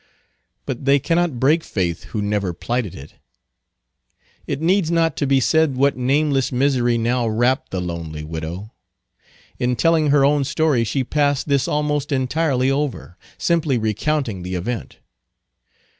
But they cannot break faith who never plighted it. It needs not to be said what nameless misery now wrapped the lonely widow. In telling her own story she passed this almost entirely over, simply recounting the event.